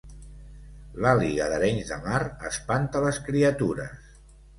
L'àliga d'Arenys de Mar espanta les criatures